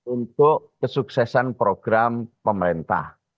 untuk kesuksesan program pemerintah